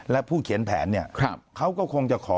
และผู้เขียนแผนเนี่ยเขาก็คงจะขอ